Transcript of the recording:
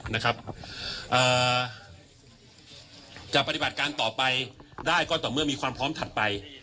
นะครับเอ่อจะปฏิบัติการต่อไปได้ก็ต่อเมื่อมีความพร้อมถัดไป